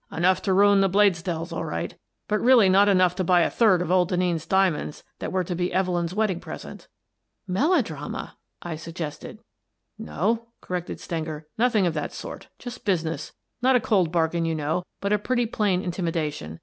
"Enough to ruin the Bladesdells, all right, but really not enough to buy a third of old Denneen's diamonds that were to be Evelyn's wedding pres ent." " Melodrama !" I suggested. "No," corrected Stenger, — "nothing of that sort. Just business. Not a cold bargain, you know, but a pretty plain intimation.